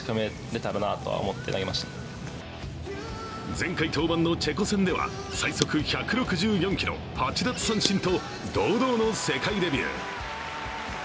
前回登板のチェコ戦では最速１６４キロ、８奪三振と堂々の世界デビュー。